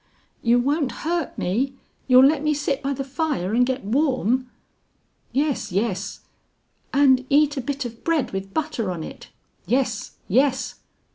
"You won't hurt me; you'll let me sit by the fire and get warm?" "Yes, yes." "And eat a bit of bread with butter on it?" "Yes, yes."